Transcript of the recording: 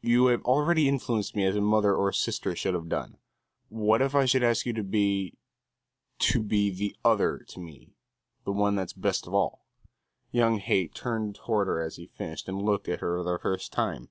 You have already influenced me as a mother or sister should have done; what if I should ever ask you to be to be the other to me, the one that's best of all?" Young Haight turned toward her as he finished and looked at her for the first time.